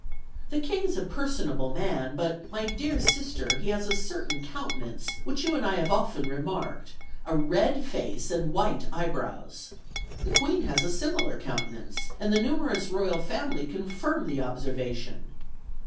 The King is a personable man, but, my dear sister, he has a certain countenance, which you and I have often remarked; a red face and white eyebrows. The Queen has a similar countenance, and the numerous royal family confirm the observation.